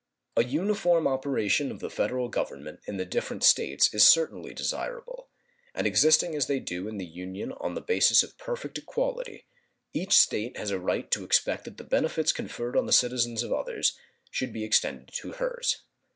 An uniform operation of the Federal Government in the different States is certainly desirable, and existing as they do in the Union on the basis of perfect equality, each State has a right to expect that the benefits conferred on the citizens of others should be extended to hers.